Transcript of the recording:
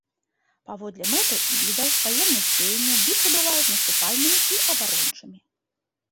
Паводле мэтаў і відаў ваенных дзеянняў бітвы бываюць наступальнымі і абарончымі.